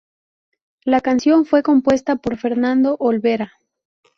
La canción fue compuesta por Fernando Olvera.